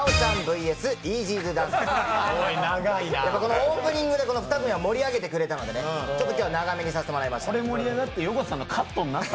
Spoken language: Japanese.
オープニングでこの２組が盛り上げてくれたのでちょっと今日は長めにさせてもらいました。